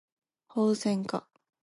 ホウセンカ